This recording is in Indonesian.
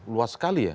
luas sekali ya